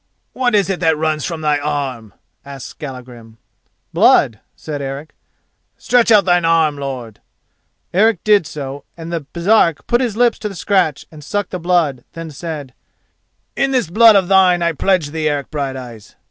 "What is it that runs from thy arm," asked Skallagrim. "Blood," said Eric. "Stretch out thine arm, lord." Eric did so, and the Baresark put his lips to the scratch and sucked the blood, then said: "In this blood of thine I pledge thee, Eric Brighteyes!